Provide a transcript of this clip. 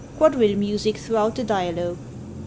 Quadrille music throughout the dialogue.